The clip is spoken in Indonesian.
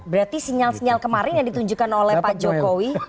berarti sinyal sinyal kemarin yang ditunjukkan oleh pak jokowi